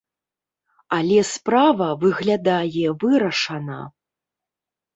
Але справа, выглядае, вырашана.